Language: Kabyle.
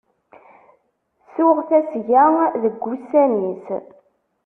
Tuɣ tasga deg ussan-is.